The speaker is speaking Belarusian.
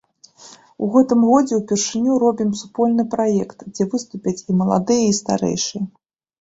У гэтым годзе ўпершыню робім супольны праект, дзе выступяць і маладыя, і старэйшыя.